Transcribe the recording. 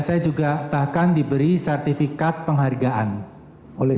siapa yang memberikan sertifikat penghargaan itu